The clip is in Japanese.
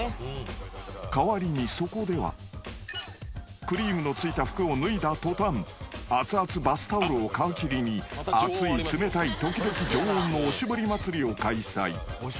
［代わりにそこではクリームの付いた服を脱いだ途端熱々バスタオルを皮切りに熱い冷たい時々常温のおしぼり祭りを開催］